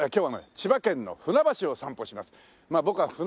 千葉県の船橋を散歩します。